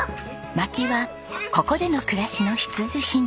まきはここでの暮らしの必需品。